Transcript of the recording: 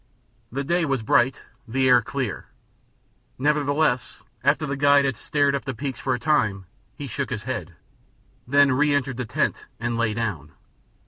The day was bright, the air clear, nevertheless after the guide had stared up at the peaks for a time he shook his head, then reëntered the tent and lay down.